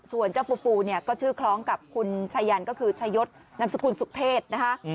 ส่วนเจ้าปูปูเนี่ยก็ชื่อคล้องกับคุณชายันก็คือชายศนามสกุลสุขเทศนะคะ